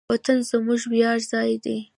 وطن زموږ د ویاړ ځای دی.